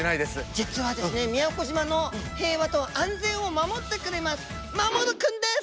実はですね宮古島の平和と安全を守ってくれますまもる君です！